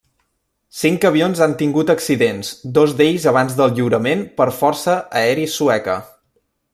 Cinc avions han tingut accidents, dos d'ells abans del lliurament per força Aeri Sueca.